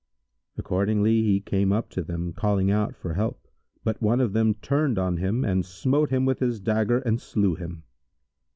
Accordingly he came up to them, calling out for help; but one of them turned on him and smote him with his dagger and slew him.